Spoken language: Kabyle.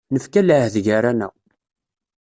Nefka lɛahed gar-aneɣ.